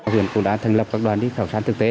huyện cũng đã thành lập các đoàn đi khảo sát thực tế